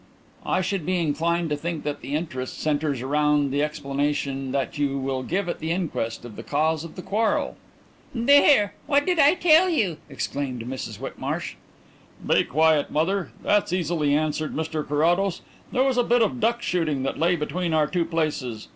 "I should be inclined to think that the interest centres round the explanation you will give at the inquest of the cause of the quarrel." "There! What did I tell you?" exclaimed Mrs Whitmarsh. "Be quiet, mother. That's easily answered, Mr Carrados. There was a bit of duck shooting that lay between our two places.